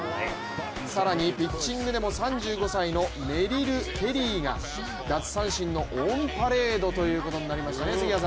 更にピッチングでも３５歳のメリル・ケリーが奪三振のオンパレードということになりましたね。